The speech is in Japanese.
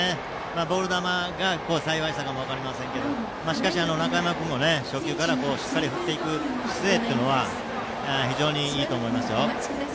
ボール球が幸いしたかも分かりませんがしかし中山君も初球からしっかり振っていく姿勢は非常にいいと思います。